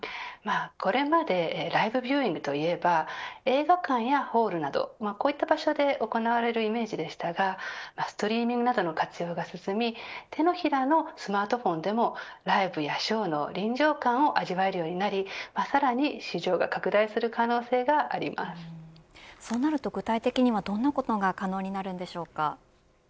これまでライブビューイングといえば映画館やホールなどこういった場所で行われるイメージでしたがストリーミングなどの活用が進み手のひらのスマートフォンでもライブやショーの臨場感を味わえるようになりさらに市場が拡大するそうなると具体的にはどんなことが可能になるんでしょうか。